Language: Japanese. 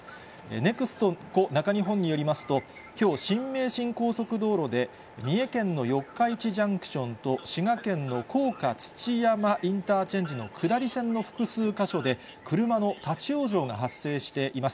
ＮＥＸＣＯ中日本によりますと、きょう、新名神高速道路で、三重県の四日市ジャンクションと滋賀県の甲賀土山インターチェンジの下り線の複数か所で車の立往生が発生しています。